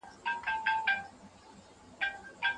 دا ماشوم د انا لپاره د یو راز په څېر و.